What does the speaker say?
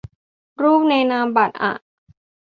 รูปในนามบัตรอ่ะ